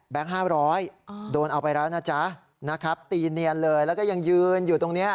แบล็คห้าร้อยโดนเอาไปแล้วนะจ๊ะนะครับตีเนียนเลยแล้วก็ยังยืนอยู่ตรงเนี้ย